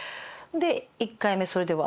１回目それでうわ！